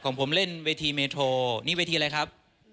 ของผมเล่นเวทีเมโทนี่เวทีอะไรครับ